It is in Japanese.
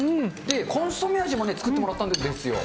コンソメ味も作ってもらったんですよ。